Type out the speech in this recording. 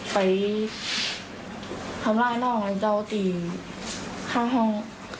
ไปทำร้ายน้องเจ้าตีข้างห้อง